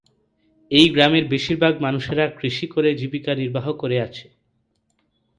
এই গ্রামের বেশিরভাগ মানুষেরা কৃষি করে জীবিকা নির্বাহ করে আছে।